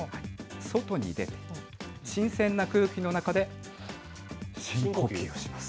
外に出て、新鮮な空気の中で、深呼吸をします。